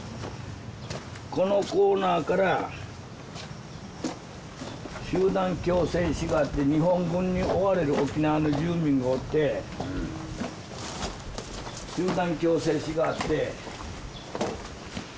このコーナーから集団強制死があって日本軍に追われる沖縄の住民がおって集団強制死があって。